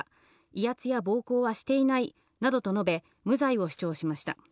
威圧や暴行はしていないなどと述べ、無罪を主張しました。